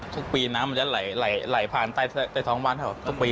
ทุกปีน้ำมันจะไหลผ่านใต้ท้องบ้านครับทุกปี